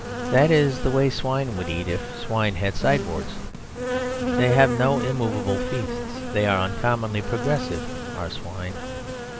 That is the way swine would eat if swine had sideboards; they have no immovable feasts; they are uncommonly progressive, are swine.